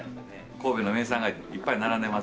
神戸の名産がいっぱい並んでます。